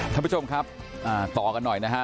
ท่านผู้ชมครับต่อกันหน่อยนะฮะ